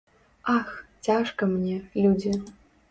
Ах, цяжка мне, людзі!